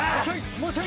もうちょい。